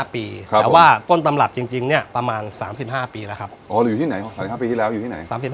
ปีครับว่าต้นตำรับจริงเนี่ยประมาณ๒๕ปีแล้วครับอรุณีไหนห้าปีที่แล้วอยู่ที่